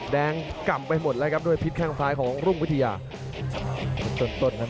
พาท่านผู้ชมกลับติดตามความมันกันต่อครับ